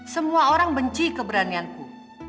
semua orang benci keberanianku